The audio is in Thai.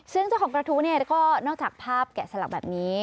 ซึ่งเจ้าของกระทู้เนี่ยก็นอกจากภาพแกะสลักแบบนี้